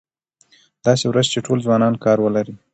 داسې ورځ چې ټول ځوانان کار ولري.